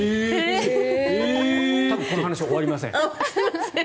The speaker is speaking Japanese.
多分ね、この話終わりません。